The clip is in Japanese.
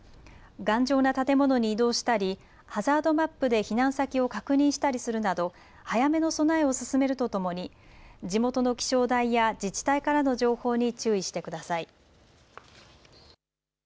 頑丈な建物に移動したりハザードマップで避難先を確認したりするなど早めの備えを進めるとともに地元の気象台や自治体からの情報に注意してください。